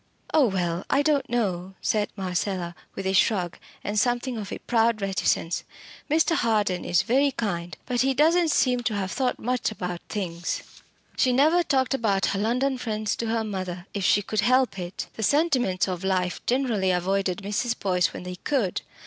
"Oh! well I don't know," said Marcella, with a shrug, and something of a proud reticence. "Mr. Harden is very kind but he doesn't seem to have thought much about things." She never talked about her London friends to her mother, if she could help it. The sentiments of life generally avoided Mrs. Boyce when they could.